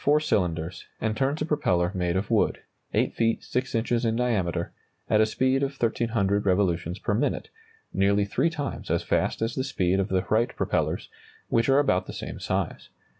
] The motor has 4 cylinders, and turns a propeller made of wood, 8 feet 6 inches in diameter, at a speed of 1,300 revolutions per minute nearly three times as fast as the speed of the Wright propellers, which are about the same size.